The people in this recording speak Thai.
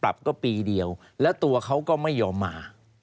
ปรับก็ปีเดียวแล้วตัวเขาก็ไม่ยอมมา